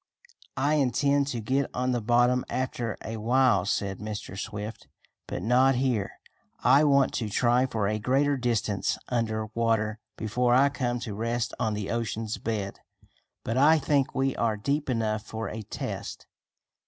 "I intend to get on the bottom after a while," said Mr. Swift, "but not here. I want to try for a greater distance under water before I come to rest on the ocean's bed. But I think we are deep enough for a test.